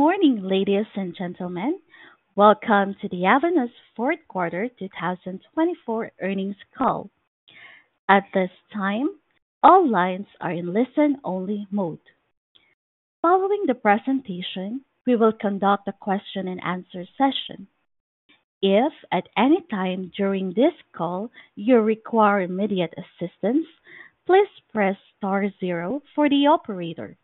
Good morning, ladies and gentlemen. Welcome to the Avanos 4Q 2024 Earnings Call. At this time, all lines are in listen-only mode. Following the presentation, we will conduct a question-and-answer session. If at any time during this call you require immediate assistance, please press star zero for the operator.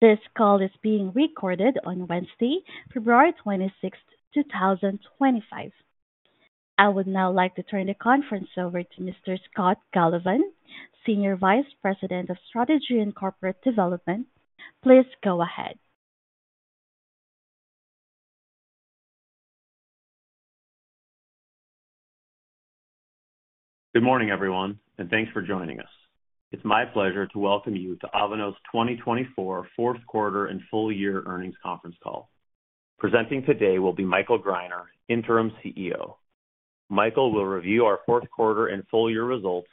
This call is being recorded on Wednesday, February 26, 2025. I would now like to turn the conference over to Mr. Scott Galovan, Senior Vice President of Strategy and Corporate Development. Please go ahead. Good morning, everyone, and thanks for joining us. It's my pleasure to welcome you to Avanos 2024 Q4 and Full Year Earnings Conference Call. Presenting today will be Michael Greiner, Interim CEO. Michael will review our Q4 and Full Year results,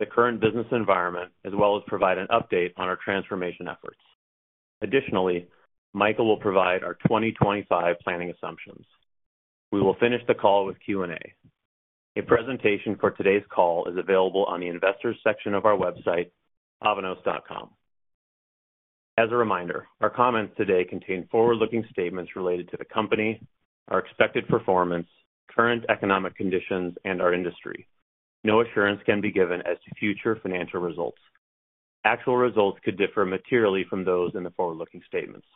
the current business environment, as well as provide an update on our transformation efforts. Additionally, Michael will provide our 2025 planning assumptions. We will finish the call with Q&A. A presentation for today's call is available on the Investors section of our website, avanos.com. As a reminder, our comments today contain forward-looking statements related to the company, our expected performance, current economic conditions, and our industry. No assurance can be given as to future financial results. Actual results could differ materially from those in the forward-looking statements.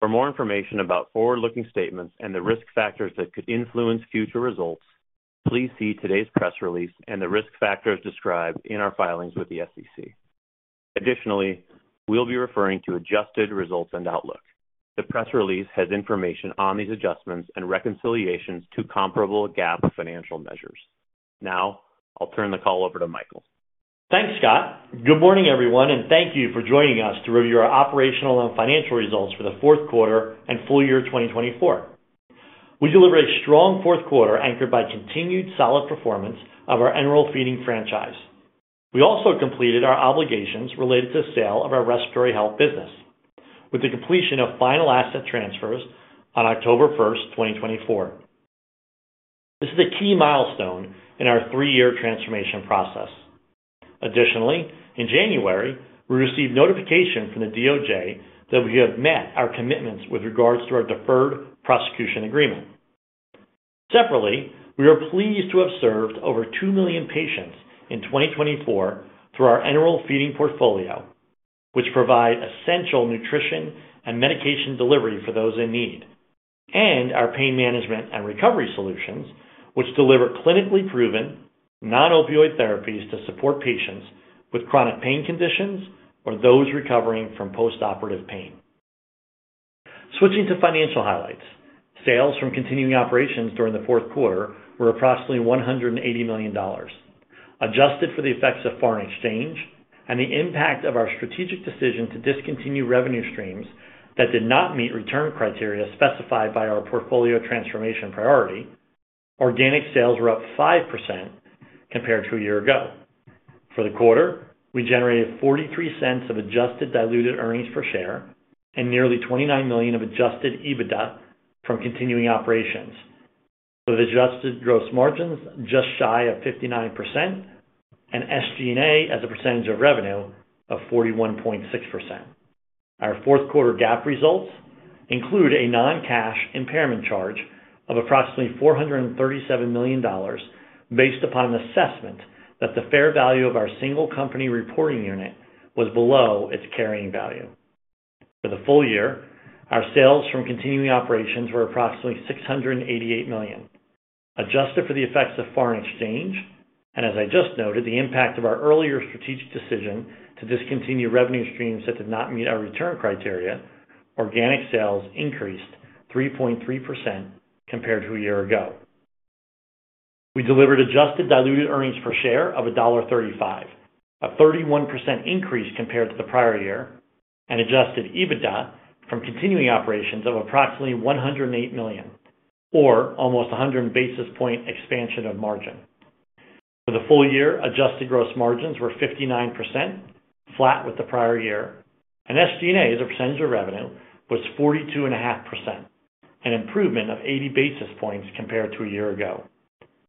For more information about forward-looking statements and the risk factors that could influence future results, please see today's press release and the risk factors described in our filings with the SEC. Additionally, we'll be referring to adjusted results and outlook. The press release has information on these adjustments and reconciliations to comparable GAAP financial measures. Now, I'll turn the call over to Michael. Thanks, Scott. Good morning, everyone, and thank you for joining us to review our operational and financial results for Q4 and Full Year 2024. We delivered a strong Q4 anchored by continued solid performance of our Enteral Feeding franchise. We also completed our obligations related to sale of our respiratory health business, with the completion of final asset transfers on October 1, 2024. This is a key milestone in our three-year transformation process. Additionally, in January, we received notification from the DOJ that we have met our commitments with regards to our deferred prosecution agreement. Separately, we are pleased to have served over two million patients in 2024 through our Enteral Feeding portfolio, which provides essential nutrition and medication delivery for those in need, and our pain management and recovery solutions, which deliver clinically proven non-opioid therapies to support patients with chronic pain conditions or those recovering from post-operative pain. Switching to financial highlights, sales from continuing operations during Q4 were approximately $180 million. Adjusted for the effects of foreign exchange and the impact of our strategic decision to discontinue revenue streams that did not meet return criteria specified by our portfolio transformation priority, organic sales were up 5% compared to a year ago. For the quarter, we generated $0.43 of adjusted diluted earnings per share and nearly $29 million of adjusted EBITDA from continuing operations, with adjusted gross margins just shy of 59% and SG&A as a percentage of revenue of 41.6%. Our Q4 GAAP results include a non-cash impairment charge of approximately $437 million based upon an assessment that the fair value of our single company reporting unit was below its carrying value. For the full year, our sales from continuing operations were approximately $688 million. Adjusted for the effects of foreign exchange, and as I just noted, the impact of our earlier strategic decision to discontinue revenue streams that did not meet our return criteria, organic sales increased 3.3% compared to a year ago. We delivered adjusted diluted earnings per share of $1.35, a 31% increase compared to the prior year, and adjusted EBITDA from continuing operations of approximately $108 million, or almost 100 basis point expansion of margin. For the full year, adjusted gross margins were 59%, flat with the prior year, and SG&A as a percentage of revenue was 42.5%, an improvement of 80 basis points compared to a year ago.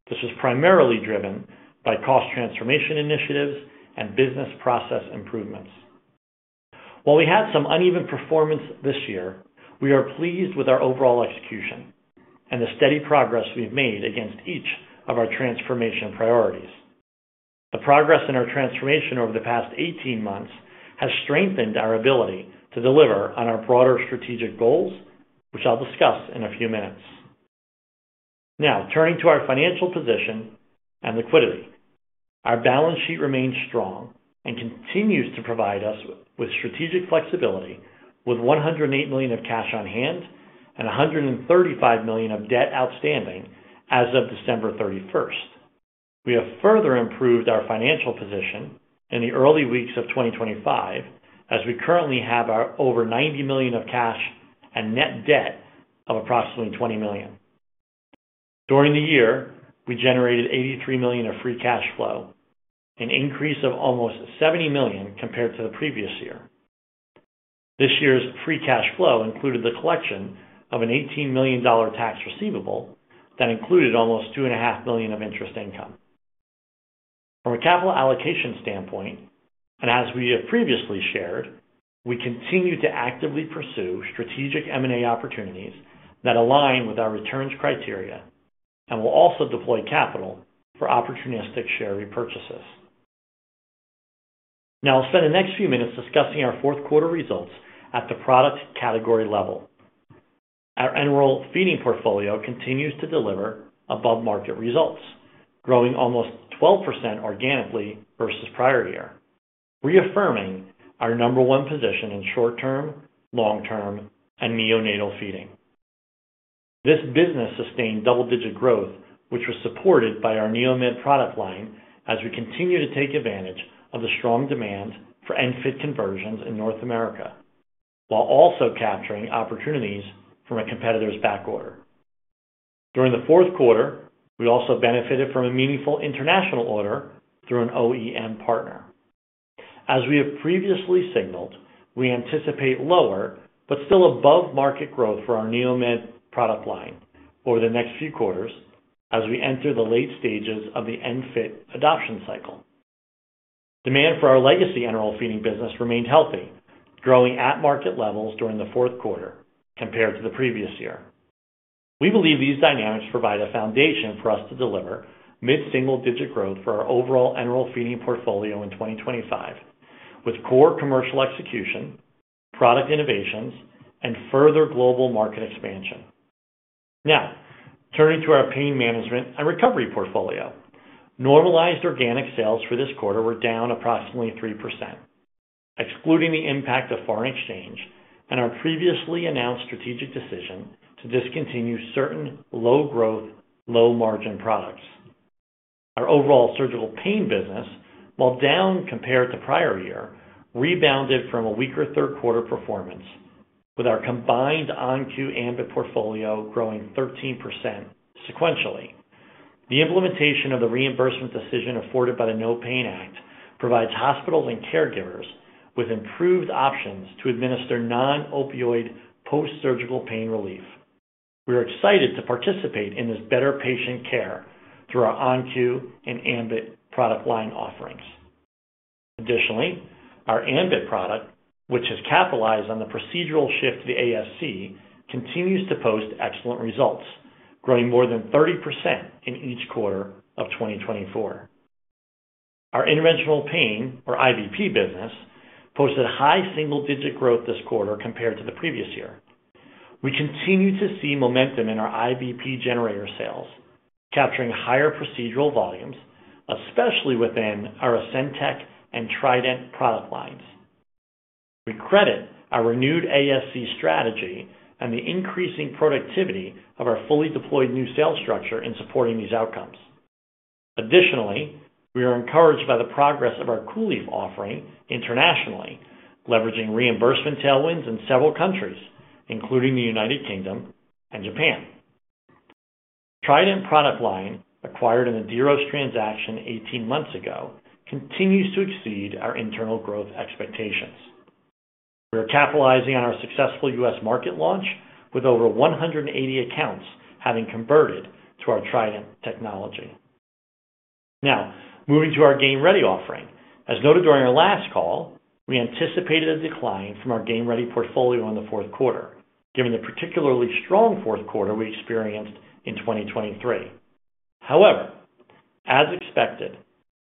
This was primarily driven by cost transformation initiatives and business process improvements. While we had some uneven performance this year, we are pleased with our overall execution and the steady progress we've made against each of our transformation priorities. The progress in our transformation over the past 18 months has strengthened our ability to deliver on our broader strategic goals, which I'll discuss in a few minutes. Now, turning to our financial position and liquidity. Our balance sheet remains strong and continues to provide us with strategic flexibility, with $108 million of cash on hand and $135 million of debt outstanding as of December 31. We have further improved our financial position in the early weeks of 2025, as we currently have over $90 million of cash and net debt of approximately $20 million. During the year, we generated $83 million of free cash flow, an increase of almost $70 million compared to the previous year. This year's free cash flow included the collection of an $18 million tax receivable that included almost $2.5 million of interest income. From a capital allocation standpoint, and as we have previously shared, we continue to actively pursue strategic M&A opportunities that align with our returns criteria and will also deploy capital for opportunistic share repurchases. Now, I'll spend the next few minutes discussing our Q4 results at the product category level. Our Enteral Feeding portfolio continues to deliver above-market results, growing almost 12% organically versus prior year, reaffirming our number one position in short-term, long-term, and neonatal feeding. This business sustained double-digit growth, which was supported by our NeoMed product line as we continue to take advantage of the strong demand for ENFit conversions in North America, while also capturing opportunities from a competitor's back order. During Q4, we also benefited from a meaningful international order through an OEM partner. As we have previously signaled, we anticipate lower but still above-market growth for our NeoMed product line over the next few quarters as we enter the late stages of the ENFit adoption cycle. Demand for our legacy Enteral Feeding business remained healthy, growing at market levels during Q4 compared to the previous year. We believe these dynamics provide a foundation for us to deliver mid-single-digit growth for our overall Enteral Feeding portfolio in 2025, with core commercial execution, product innovations, and further global market expansion. Now, turning to our pain management and recovery portfolio. Normalized organic sales for this quarter were down approximately 3%, excluding the impact of foreign exchange and our previously announced strategic decision to discontinue certain low-growth, low-margin products. Our overall surgical pain business, while down compared to prior year, rebounded from a weaker Q3 performance, with our combined ON-Q ambIT portfolio growing 13% sequentially. The implementation of the reimbursement decision afforded by the NOPAIN Act provides hospitals and caregivers with improved options to administer non-opioid post-surgical pain relief. We are excited to participate in this better patient care through our ON-Q and ambIT product line offerings. Additionally, our ambIT product, which has capitalized on the procedural shift to the ASC, continues to post excellent results, growing more than 30% in each quarter of 2024. Our interventional pain, or IVP, business posted high single-digit growth this quarter compared to the previous year. We continue to see momentum in our IVP generator sales, capturing higher procedural volumes, especially within our Ascendtech and Trident product lines. We credit our renewed ASC strategy and the increasing productivity of our fully deployed new sales structure in supporting these outcomes. Additionally, we are encouraged by the progress of our COOLIEF offering internationally, leveraging reimbursement tailwinds in several countries, including the United Kingdom and Japan. Trident product line, acquired in a Diros transaction 18 months ago, continues to exceed our internal growth expectations. We are capitalizing on our successful U.S. market launch, with over 180 accounts having converted to our Trident technology. Now, moving to our Game Ready offering. As noted during our last call, we anticipated a decline from our Game Ready portfolio in Q4, given the particularly strong Q4 we experienced in 2023. However, as expected,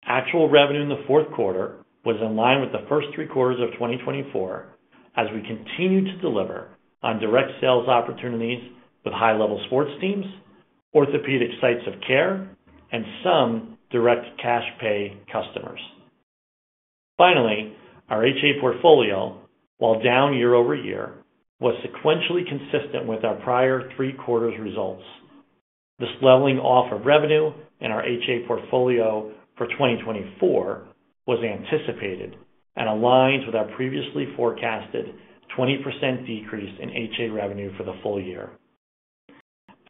actual revenue in Q4 was in line with the first three quarters of 2024, as we continued to deliver on direct sales opportunities with high-level sports teams, orthopedic sites of care, and some direct cash pay customers. Finally, our HA portfolio, while down year over year, was sequentially consistent with our prior three quarters' results. This leveling off of revenue in our HA portfolio for 2024 was anticipated and aligns with our previously forecasted 20% decrease in HA revenue for the full year.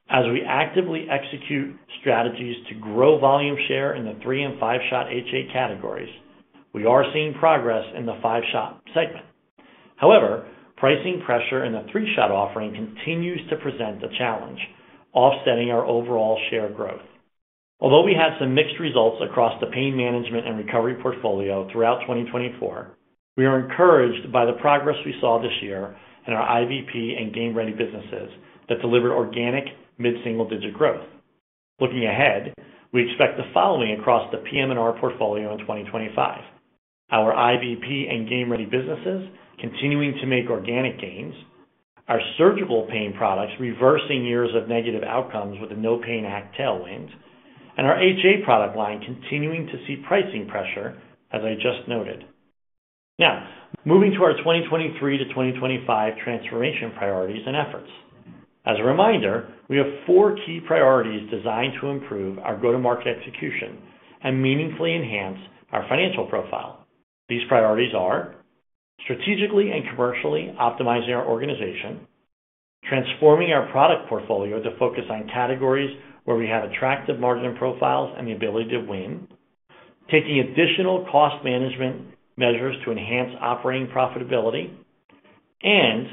As we actively execute strategies to grow volume share in the three and five-shot HA categories, we are seeing progress in the five-shot segment. However, pricing pressure in the three-shot offering continues to present a challenge, offsetting our overall share growth. Although we had some mixed results across the Pain Management and Recovery portfolio throughout 2024, we are encouraged by the progress we saw this year in our IVP and Game Ready businesses that delivered organic mid-single-digit growth. Looking ahead, we expect the following across the PM&R portfolio in 2025: our IVP and Game Ready businesses continuing to make organic gains, our surgical pain products reversing years of negative outcomes with the NOPAIN Act tailwinds, and our HA product line continuing to see pricing pressure, as I just noted. Now, moving to our 2023 to 2025 transformation priorities and efforts. As a reminder, we have four key priorities designed to improve our go-to-market execution and meaningfully enhance our financial profile. These priorities are: strategically and commercially optimizing our organization, transforming our product portfolio to focus on categories where we have attractive margin profiles and the ability to win, taking additional cost management measures to enhance operating profitability, and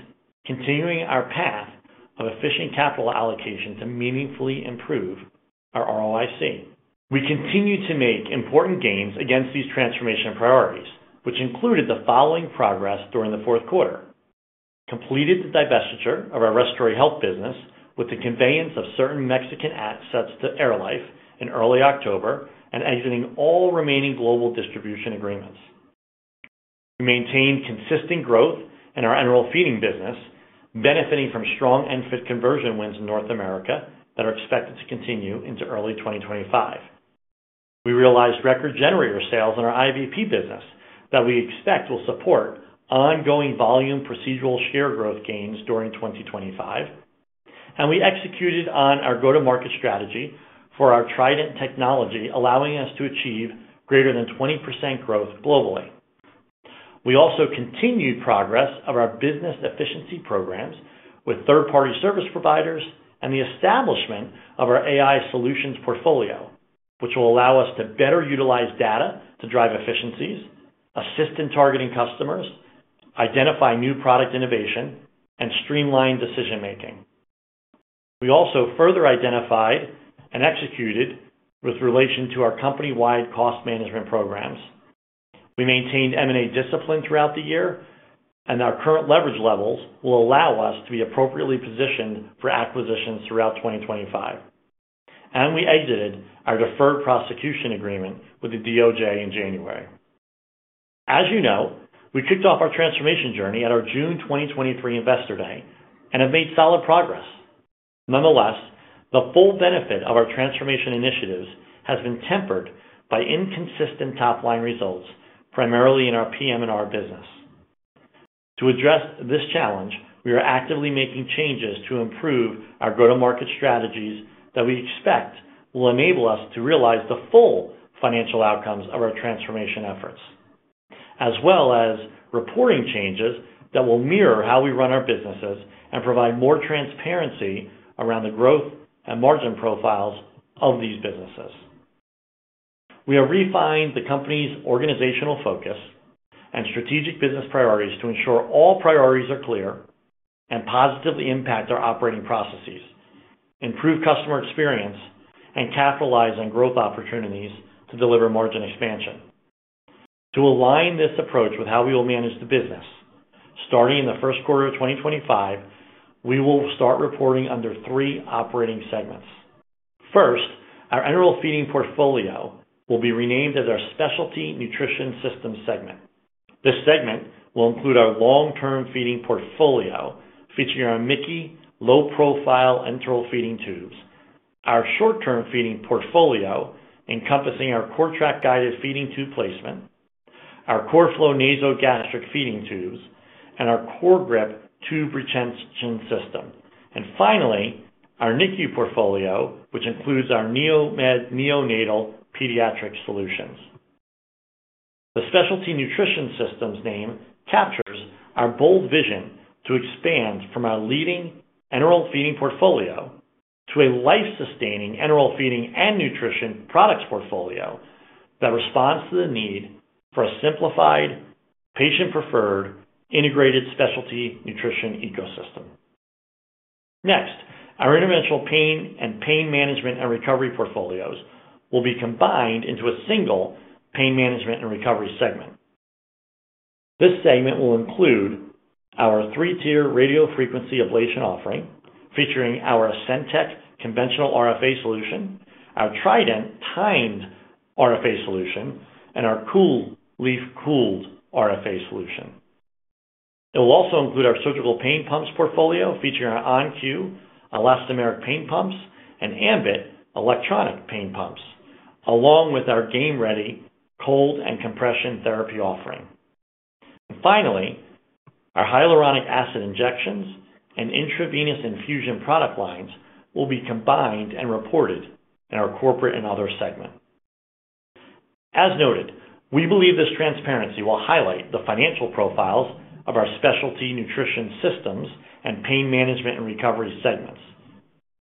continuing our path of efficient capital allocation to meaningfully improve our ROIC. We continue to make important gains against these transformation priorities, which included the following progress during Q4: completed the divestiture of our respiratory health business with the conveyance of certain Mexican assets to AirLife in early October and exiting all remaining global distribution agreements. We maintained consistent growth in our Enteral Feeding business, benefiting from strong ENFit conversion wins in North America that are expected to continue into early 2025. We realized record generator sales in our IVP business that we expect will support ongoing volume procedural share growth gains during 2025, and we executed on our go-to-market strategy for our Trident technology, allowing us to achieve greater than 20% growth globally. We also continued progress of our business efficiency programs with third-party service providers and the establishment of our AI solutions portfolio, which will allow us to better utilize data to drive efficiencies, assist in targeting customers, identify new product innovation, and streamline decision-making. We also further identified and executed with relation to our company-wide cost management programs. We maintained M&A discipline throughout the year, and our current leverage levels will allow us to be appropriately positioned for acquisitions throughout 2025, and we exited our deferred prosecution agreement with the DOJ in January. As you know, we kicked off our transformation journey at our June 2023 Investor Day and have made solid progress. Nonetheless, the full benefit of our transformation initiatives has been tempered by inconsistent top-line results, primarily in our PM&R business. To address this challenge, we are actively making changes to improve our go-to-market strategies that we expect will enable us to realize the full financial outcomes of our transformation efforts, as well as reporting changes that will mirror how we run our businesses and provide more transparency around the growth and margin profiles of these businesses. We have refined the company's organizational focus and strategic business priorities to ensure all priorities are clear and positively impact our operating processes, improve customer experience, and capitalize on growth opportunities to deliver margin expansion. To align this approach with how we will manage the business, starting in Q1 2025, we will start reporting under three operating segments. First, our Enteral Feeding portfolio will be renamed as our Specialty Nutrition Systems segment. This segment will include our long-term feeding portfolio featuring our MIC-KEY low-profile enteral feeding tubes, our short-term feeding portfolio encompassing our CORTRAK-guided feeding tube placement, our CORFLO nasogastric feeding tubes, and our CORGRIP tube retention system, and finally, our NICU portfolio, which includes our NeoMed neonatal pediatric solutions. The Specialty Nutrition Systems name captures our bold vision to expand from our leading Enteral Feeding portfolio to a life-sustaining Enteral Feeding and Nutrition products portfolio that responds to the need for a simplified, patient-preferred, integrated specialty nutrition ecosystem. Next, our interventional pain and Pain Management and Recovery portfolios will be combined into a single Pain Management and Recovery segment. This segment will include our three-tier radiofrequency ablation offering featuring our Ascendtech conventional RFA solution, our Trident timed RFA solution, and our COOLIEF Cooled RF solution. It will also include our surgical pain pumps portfolio featuring our ON-Q elastomeric pain pumps and ambIT electronic pain pumps, along with our Game Ready cold and compression therapy offering. Finally, our hyaluronic acid injections and intravenous infusion product lines will be combined and reported in our Corporate and Other segment. As noted, we believe this transparency will highlight the financial profiles of our Specialty Nutrition Systems and pain management and recovery segments.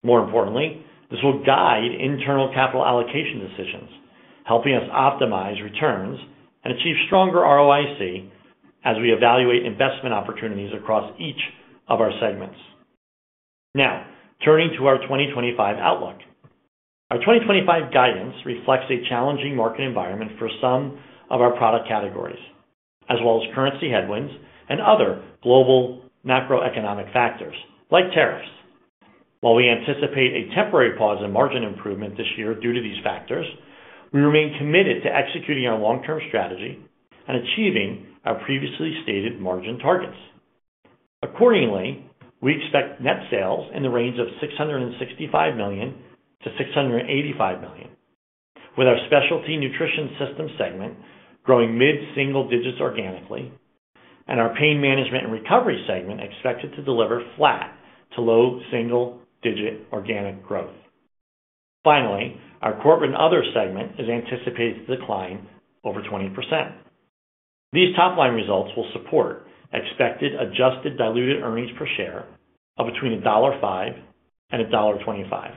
More importantly, this will guide internal capital allocation decisions, helping us optimize returns and achieve stronger ROIC as we evaluate investment opportunities across each of our segments. Now, turning to our 2025 outlook, our 2025 guidance reflects a challenging market environment for some of our product categories, as well as currency headwinds and other global macroeconomic factors like tariffs. While we anticipate a temporary pause in margin improvement this year due to these factors, we remain committed to executing our long-term strategy and achieving our previously stated margin targets. Accordingly, we expect net sales in the range of $665 million-$685 million, with our Specialty Nutrition Systems segment growing mid-single digits organically and our pain management and recovery segment expected to deliver flat to low single-digit organic growth. Finally, our Corporate and Other segment is anticipated to decline over 20%. These top-line results will support expected adjusted diluted earnings per share of between $1.05 and $1.25.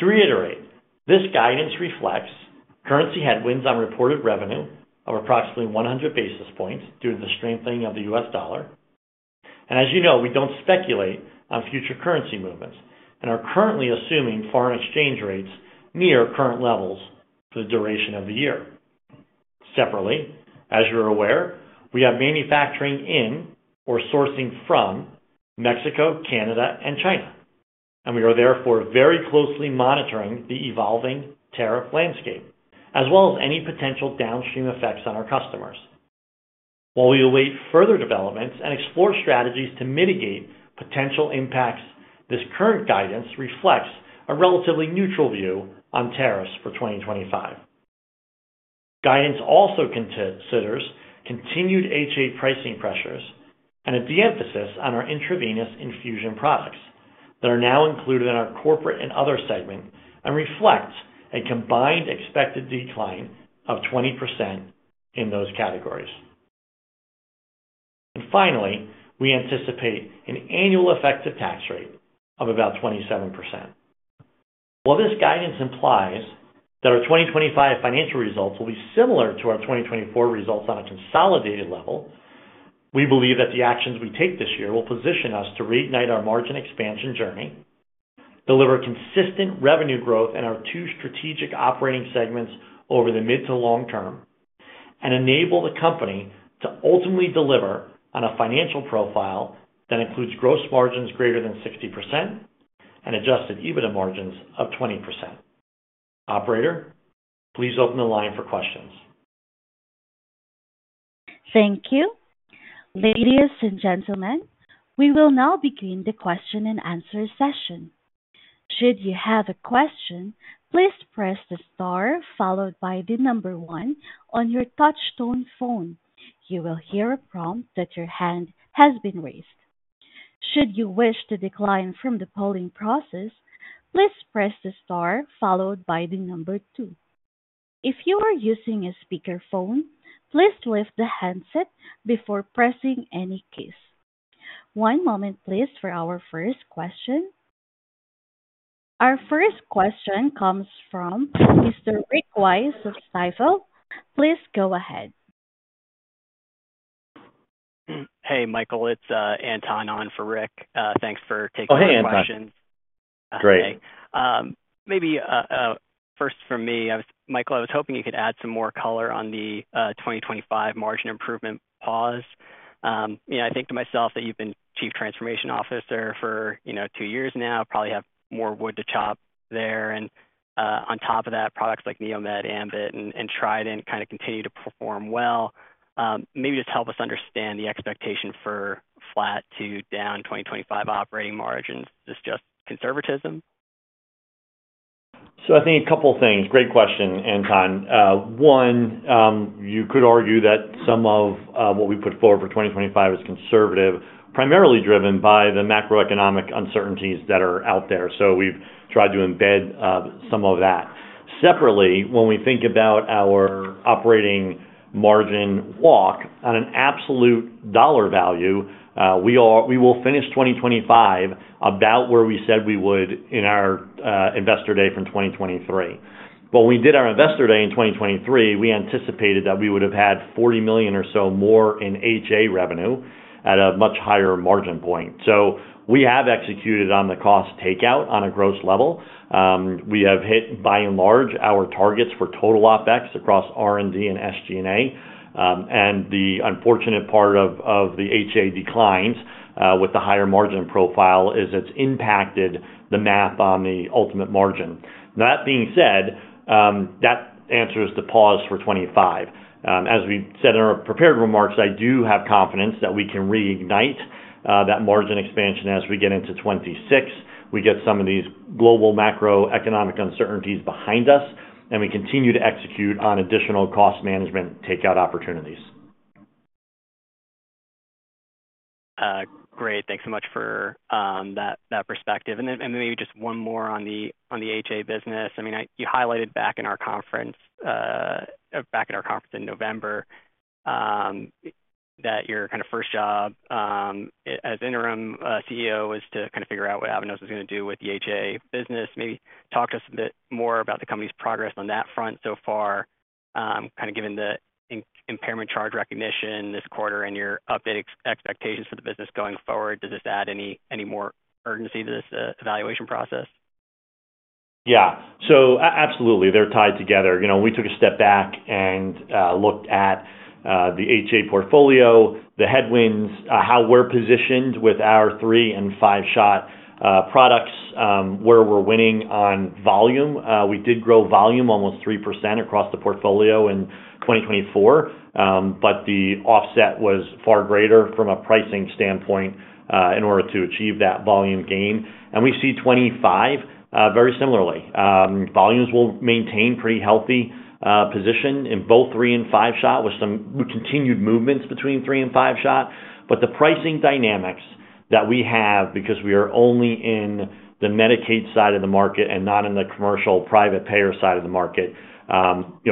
To reiterate, this guidance reflects currency headwinds on reported revenue of approximately 100 basis points due to the strengthening of the U.S. dollar. As you know, we don't speculate on future currency movements and are currently assuming foreign exchange rates near current levels for the duration of the year. Separately, as you're aware, we have manufacturing in or sourcing from Mexico, Canada, and China, and we are therefore very closely monitoring the evolving tariff landscape, as well as any potential downstream effects on our customers. While we await further developments and explore strategies to mitigate potential impacts, this current guidance reflects a relatively neutral view on tariffs for 2025. Guidance also considers continued HA pricing pressures and a de-emphasis on our intravenous infusion products that are now included in our Corporate and Other segment and reflects a combined expected decline of 20% in those categories, and finally, we anticipate an annual effective tax rate of about 27%. While this guidance implies that our 2025 financial results will be similar to our 2024 results on a consolidated level, we believe that the actions we take this year will position us to reignite our margin expansion journey, deliver consistent revenue growth in our two strategic operating segments over the mid to long term, and enable the company to ultimately deliver on a financial profile that includes gross margins greater than 60% and adjusted EBITDA margins of 20%. Operator, please open the line for questions. Thank you. Ladies and gentlemen, we will now begin the question and answer session. Should you have a question, please press the star followed by the number one on your touch-tone phone. You will hear a prompt that your hand has been raised. Should you wish to decline from the polling process, please press the star followed by the number two. If you are using a speakerphone, please lift the handset before pressing any keys. One moment, please, for our first question. Our first question comes from Mr. Rick Wise of Stifel. Please go ahead. Hey, Michael. It's Anton on for Rick. Thanks for taking the questions. Oh, hey, Anton. Great. Maybe first for me, Michael, I was hoping you could add some more color on the 2025 margin improvement pause. I think to myself that you've been Chief Transformation Officer for two years now, probably have more wood to chop there. And on top of that, products like NeoMed, ambIT, and Trident kind of continue to perform well. Maybe just help us understand the expectation for flat to down 2025 operating margins. Is this just conservatism? So I think a couple of things. Great question, Anton. One, you could argue that some of what we put forward for 2025 is conservative, primarily driven by the macroeconomic uncertainties that are out there. So we've tried to embed some of that. Separately, when we think about our operating margin walk on an absolute dollar value, we will finish 2025 about where we said we would in our investor day from 2023. When we did our investor day in 2023, we anticipated that we would have had $40 million or so more in HA revenue at a much higher margin point. So we have executed on the cost takeout on a gross level. We have hit, by and large, our targets for total OpEx across R&D and SG&A. And the unfortunate part of the HA declines with the higher margin profile is it's impacted the math on the ultimate margin. That being said, that answers the pause for '25. As we said in our prepared remarks, I do have confidence that we can reignite that margin expansion as we get into 2026. We get some of these global macroeconomic uncertainties behind us, and we continue to execute on additional cost management takeout opportunities. Great. Thanks so much for that perspective. And then maybe just one more on the HA business. You highlighted back in our conference in November that your kind of first job as interim CEO was to kind of figure out what Avanos was going to do with the HA business. Maybe talk to us a bit more about the company's progress on that front so far, kind of given the impairment charge recognition this quarter and your updated expectations for the business going forward. Does this add any more urgency to this evaluation process? Yeah. So absolutely, they're tied together. We took a step back and looked at the HA portfolio, the headwinds, how we're positioned with our three and five-shot products, where we're winning on volume. We did grow volume almost 3% across the portfolio in 2024, but the offset was far greater from a pricing standpoint in order to achieve that volume gain, and we see 2025 very similarly. Volumes will maintain pretty healthy position in both three and five-shot with some continued movements between three and five-shot, but the pricing dynamics that we have, because we are only in the Medicaid side of the market and not in the commercial private payer side of the market,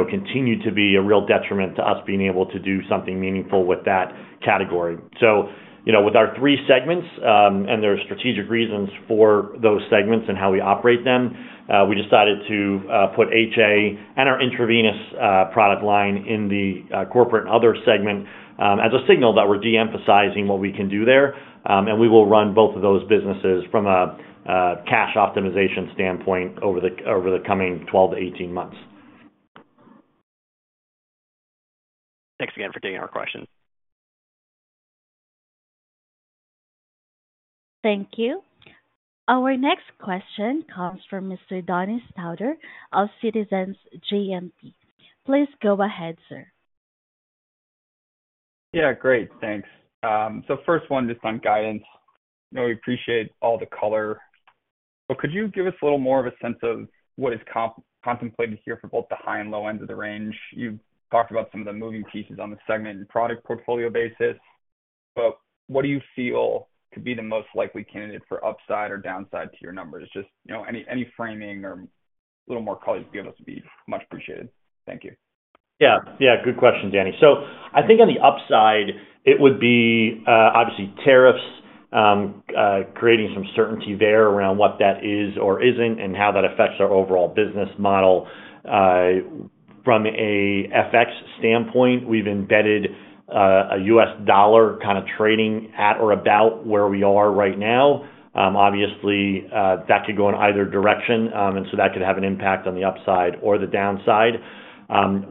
continue to be a real detriment to us being able to do something meaningful with that category. So with our three segments, and there are strategic reasons for those segments and how we operate them, we decided to put HA and our intravenous product line in the Corporate and Other segment as a signal that we're de-emphasizing what we can do there. And we will run both of those businesses from a cash optimization standpoint over the coming 12-18 months. Thanks again for taking our question. Thank you. Our next question comes from Mr. Daniel Stauder of Citizens JMP. Please go ahead, sir. Yeah. Great. Thanks. So first one, just on guidance. We appreciate all the color. But could you give us a little more of a sense of what is contemplated here for both the high and low end of the range? You talked about some of the moving pieces on the segment and product portfolio basis. But what do you feel could be the most likely candidate for upside or downside to your numbers? Just any framing or a little more color to give us would be much appreciated. Thank you. Yeah. Yeah. Good question, Danny. So I think on the upside, it would be obviously tariffs creating some certainty there around what that is or isn't and how that affects our overall business model. From an FX standpoint, we've embedded a U.S. dollar kind of trading at or about where we are right now. Obviously, that could go in either direction, and so that could have an impact on the upside or the downside.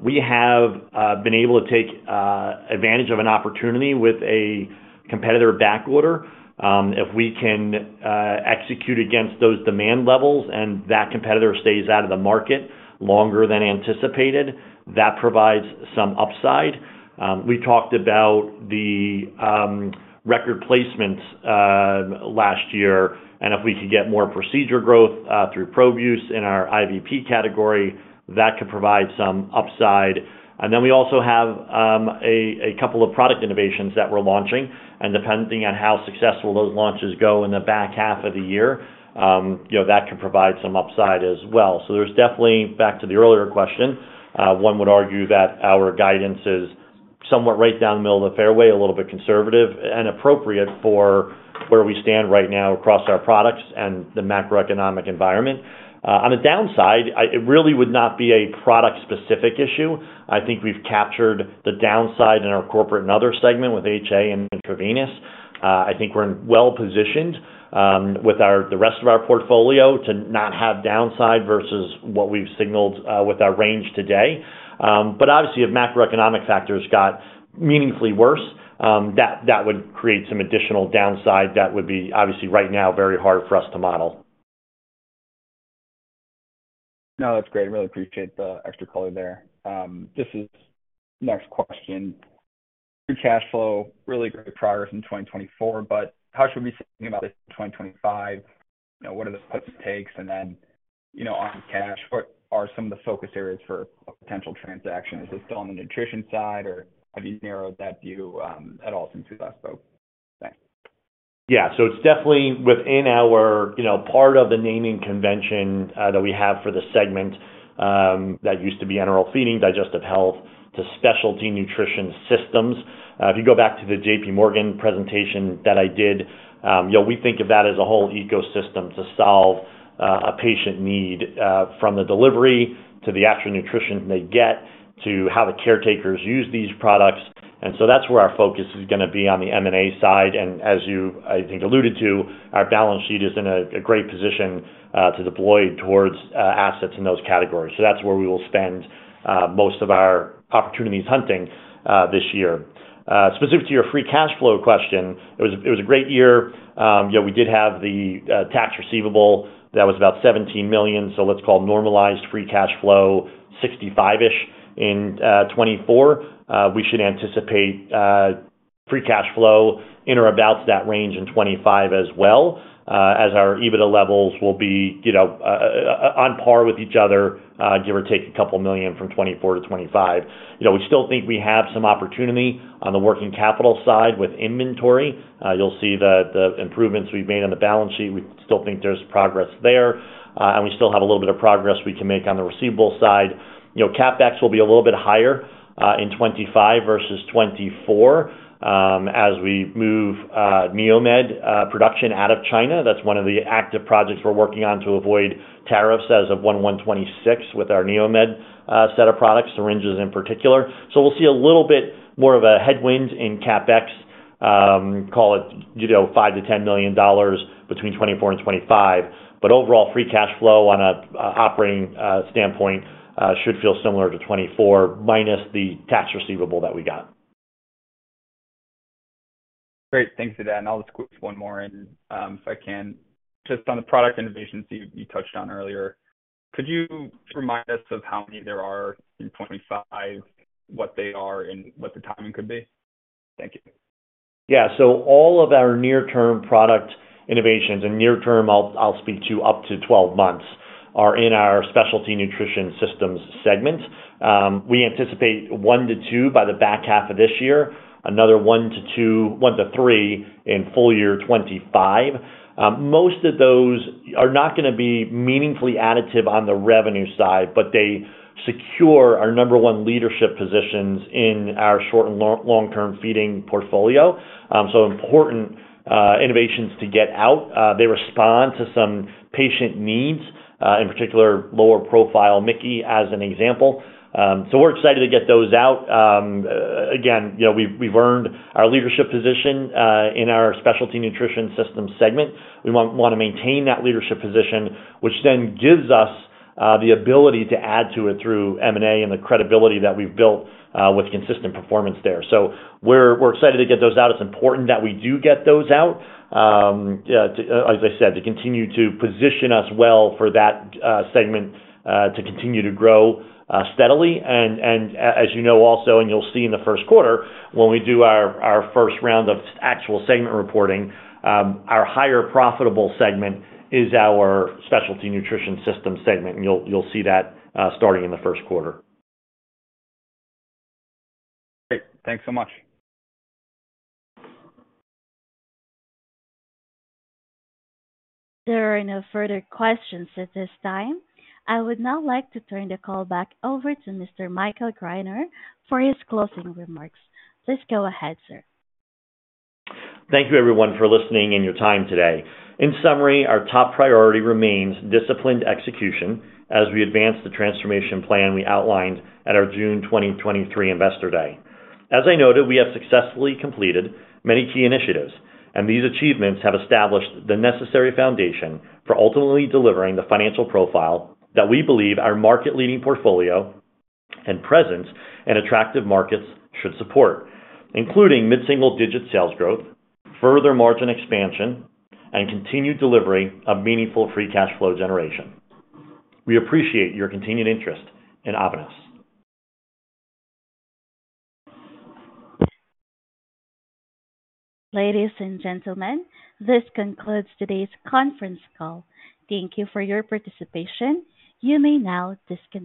We have been able to take advantage of an opportunity with a competitor backorder. If we can execute against those demand levels and that competitor stays out of the market longer than anticipated, that provides some upside. We talked about the record placements last year, and if we could get more procedure growth through probe use in our IVP category, that could provide some upside, and then we also have a couple of product innovations that we're launching, and depending on how successful those launches go in the back half of the year, that could provide some upside as well, so there's definitely, back to the earlier question, one would argue that our guidance is somewhat right down the middle of the fairway, a little bit conservative and appropriate for where we stand right now across our products and the macroeconomic environment. On the downside, it really would not be a product-specific issue. I think we've captured the downside in our Corporate and Other segment with HA and intravenous. I think we're well-positioned with the rest of our portfolio to not have downside versus what we've signaled with our range today. But obviously, if macroeconomic factors got meaningfully worse, that would create some additional downside that would be, obviously, right now very hard for us to model. No, that's great. I really appreciate the extra color there. This is the next question. Good cash flow, really great progress in 2024, but how should we be thinking about it in 2025? What are the first takes? And then on cash, what are some of the focus areas for a potential transaction? Is this still on the nutrition side, or have you narrowed that view at all since we last spoke? Thanks. Yeah. So it's definitely within our part of the naming convention that we have for the segment that used to be enteral feeding, digestive health, to Specialty Nutrition Systems. If you go back to the J.P. Morgan presentation that I did, we think of that as a whole ecosystem to solve a patient need from the delivery to the actual nutrition they get to how the caretakers use these products. And so that's where our focus is going to be on the M&A side. And as you, I think, alluded to, our balance sheet is in a great position to deploy towards assets in those categories. So that's where we will spend most of our opportunities hunting this year. Specific to your free cash flow question, it was a great year. We did have the tax receivable that was about $17 million, so let's call normalized free cash flow $65 million-ish in 2024. We should anticipate free cash flow in or about that range in 2025 as well, as our EBITDA levels will be on par with each other, give or take a couple of million from 2024 to 2025. We still think we have some opportunity on the working capital side with inventory. You'll see the improvements we've made on the balance sheet. We still think there's progress there, and we still have a little bit of progress we can make on the receivable side. CapEx will be a little bit higher in 2025 versus 2024 as we move NeoMed production out of China. That's one of the active projects we're working on to avoid tariffs as of January 1, 2026 with our NeoMed set of products, syringes in particular. So we'll see a little bit more of a headwind in CapEx, call it $5 million-$10 million between 2024 and 2025. But overall, free cash flow on an operating standpoint should feel similar to 2024, minus the tax receivable that we got. Great. Thanks for that. And I'll just quickly one more in, if I can, just on the product innovations you touched on earlier. Could you remind us of how many there are in 2025, what they are, and what the timing could be? Thank you. Yeah. So all of our near-term product innovations and near-term, I'll speak to up to 12 months, are in our Specialty Nutrition Systems segment. We anticipate one to two by the back half of this year, another one to three, and full year 2025. Most of those are not going to be meaningfully additive on the revenue side, but they secure our number one leadership positions in our short and long-term feeding portfolio. So important innovations to get out. They respond to some patient needs, in particular, lower-profile MIC-KEY as an example, so we're excited to get those out. Again, we've earned our leadership position in our specialty nutrition systems segment. We want to maintain that leadership position, which then gives us the ability to add to it through M&A and the credibility that we've built with consistent performance there, so we're excited to get those out. It's important that we do get those out, as I said, to continue to position us well for that segment, to continue to grow steadily, and also you'll see in the Q1, when we do our first round of actual segment reporting, our higher profitable segment is our specialty nutrition systems segment, and you'll see that starting in the Q1. Great. Thanks so much. There are no further questions at this time. I would now like to turn the call back over to Mr. Michael Greiner for his closing remarks. Please go ahead, sir. Thank you, everyone, for listening and your time today. In summary, our top priority remains disciplined execution as we advance the transformation plan we outlined at our June 2023 investor day. As I noted, we have successfully completed many key initiatives, and these achievements have established the necessary foundation for ultimately delivering the financial profile that we believe our market-leading portfolio and presence in attractive markets should support, including mid-single-digit sales growth, further margin expansion, and continued delivery of meaningful free cash flow generation. We appreciate your continued interest in Avanos. Ladies and gentlemen, this concludes today's conference call. Thank you for your participation. You may now disconnect.